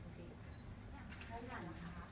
แล้วอันนั้นค่ะ